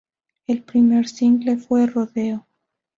El primer single fue "Rodeo".